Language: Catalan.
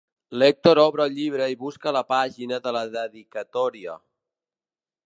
L'Èctor obre el llibre i busca la pàgina de la dedicatòria.